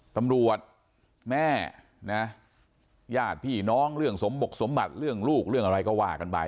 ตำรวจแม่นะญาติพี่น้องเรื่องสมบกสมบัติเรื่องลูกเรื่องอะไรก็ว่ากันไป